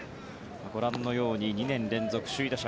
ご覧のように２年連続首位打者。